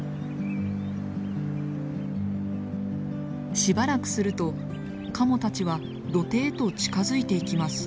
しばらくするとカモたちは土手へと近づいていきます。